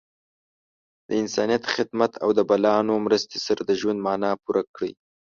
د انسانیت خدمت او د بلانو مرستې سره د ژوند معنا پوره کړئ.